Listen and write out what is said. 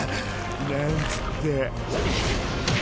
なんつって。